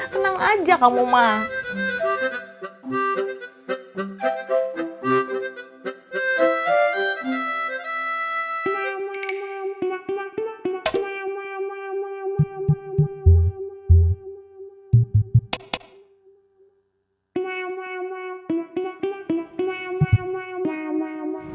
tenang aja kamu mak